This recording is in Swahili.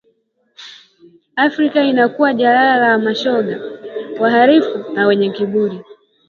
Afrika inakuwa jalala la mashoga, wahalifu na wenye kiburi